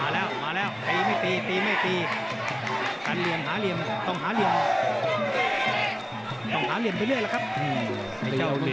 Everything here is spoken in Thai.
รอเหลี่ยมก็ตุก